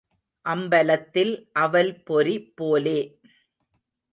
அம்பலத்தில் அவல்பொரி போலே.